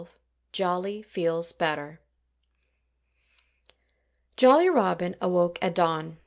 XII JOLLY FEELS BETTER Jolly Robin awoke at dawn.